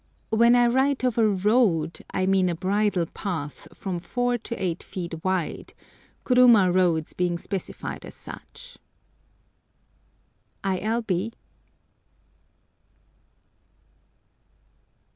When I write of a road I mean a bridle path from four to eight feet wide, kuruma roads being specified as such. I. L. B.